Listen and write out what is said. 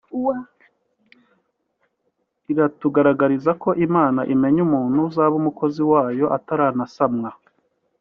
iratugaragariza ko Imana imenya umuntu uzaba umukozi wayo atarasamwa